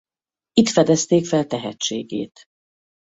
Itt fedezték fel tehetségét.